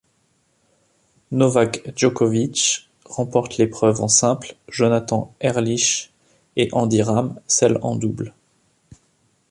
Novak Djokovic remporte l'épreuve en simple, Jonathan Erlich et Andy Ram celle en double.